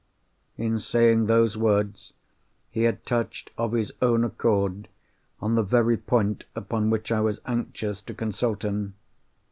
In saying those words, he had touched, of his own accord, on the very point upon which I was anxious to consult him.